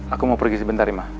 aku mau pergi sebentar ya mah